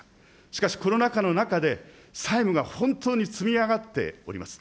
しかしコロナ禍の中で、債務が本当に積み上がっております。